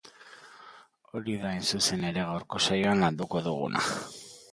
Hori da hain zuzen ere gaurko saioan landuko duguna.